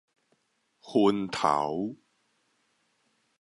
昏頭